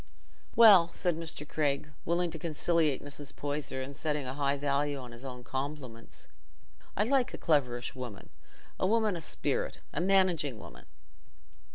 "Well," said Mr. Craig, willing to conciliate Mrs. Poyser and setting a high value on his own compliments, "I like a cleverish woman—a woman o' sperrit—a managing woman."